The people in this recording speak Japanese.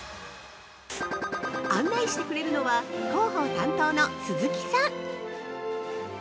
案内してくれるのは広報担当の鈴木さん。